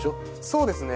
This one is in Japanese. そうですね。